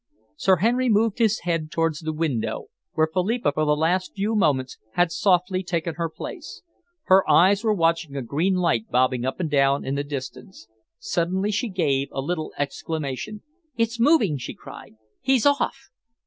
Sir Henry moved his head towards the window, where Philippa, for the last few moments, had softly taken her place. Her eyes were watching a green light bobbing up and down in the distance. Suddenly she gave a little exclamation. "It's moving!" she cried. "He's off!"